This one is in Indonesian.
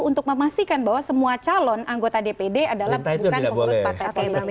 untuk memastikan bahwa semua calon anggota dpd adalah bukan pengurus partai pkb